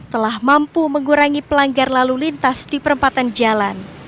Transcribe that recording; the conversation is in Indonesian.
telah mampu mengurangi pelanggar lalu lintas di perempatan jalan